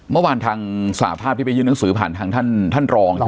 เมื่อวานทางสหภาพที่ไปยื่นหนังสือผ่านทางท่านรอง